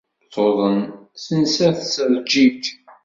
Tuḍen, tensa tettreǧǧij.